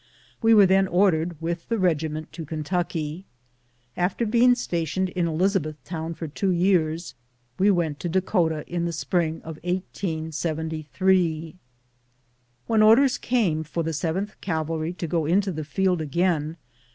We were then or dered, with the regiment, to Kentucky. After being stationed in Elizabethtown for two years, we went to Dakota in the spring of 1873. When orders came for the 7th Cavalry to go into the field again.